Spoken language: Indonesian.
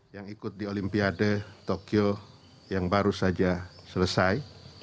yang ikut di olimpiade tokyo yang baru saja selesai